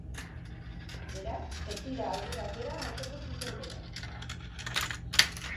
Beraz, ez dira aurrera atera osoko zuzenketak.